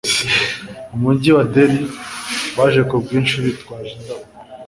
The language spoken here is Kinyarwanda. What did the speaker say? mu mujyi wa Delhi, baje ku bwinshi bitwaje indabo,